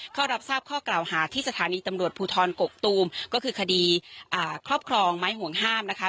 เข้ารับทราบข้อกล่าวหาที่สถานีตำรวจภูทรกกตูมก็คือคดีครอบครองไม้ห่วงห้ามนะคะ